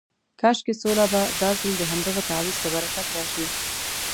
کاشکې سوله به دا ځل د همدغه تعویض په برکت راشي.